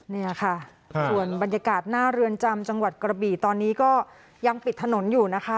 เนี่ยค่ะส่วนบรรยากาศหน้าเรือนจำจังหวัดกระบี่ตอนนี้ก็ยังปิดถนนอยู่นะคะ